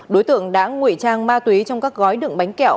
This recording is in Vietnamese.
đối tượng đã ngụy trang ma túy trong các gói đựng bánh kẹo